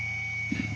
うん。